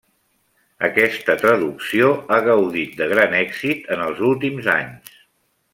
Aquesta traducció ha gaudit de gran èxit en els últims anys.